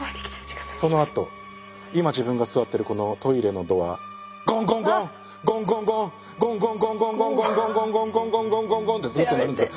そのあと今自分が座ってるこのトイレのドアゴンゴンゴンゴンゴンゴンゴンゴンゴンゴンゴンゴンゴンゴンゴンゴンゴンゴンってずっと鳴るんですよ。